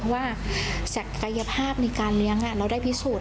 ว่าศักยภาพในการเลี้ยงเราได้พิสูจน